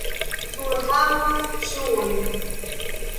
Surhavas ŝuojn.